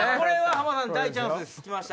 浜田さん大チャンスです。